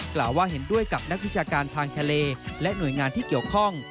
กล่าวว่าเห็นด้วยกับนักวิชาการทางทะเลและหน่วยงานที่เกี่ยวข้อง